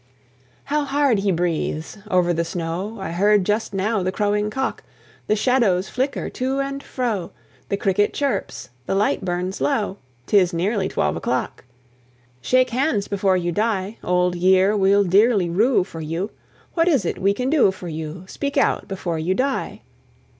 How hard he breathes! over the snow I heard just now the crowing cock. The shadows flicker to and fro: The cricket chirps: the light burns low: 'Tis nearly twelve o'clock. Shake hands, before you die. Old year, we'll dearly rue for you: What is it we can do for you? Speak out before you die.